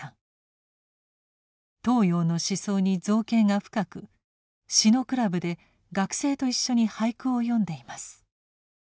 東洋の思想に造詣が深く詩のクラブで学生と一緒に俳句を詠んでいます。